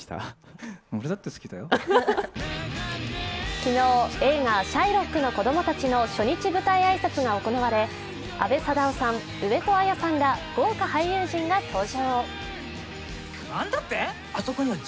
昨日、映画「シャイロックの子供たち」の初日舞台挨拶が行われ阿部サダヲさん、上戸彩さんら豪華俳優陣が登場。